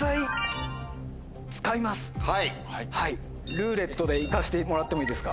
「ルーレット」で行かしてもらってもいいですか？